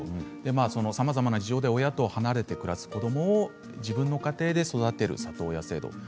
さまざまな事情で親と離れて暮らす子どもを自分の家庭で育てる里親制度。